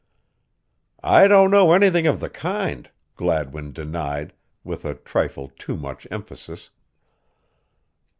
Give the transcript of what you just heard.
"I don't know anything of the kind," Gladwin denied, with a trifle too much emphasis.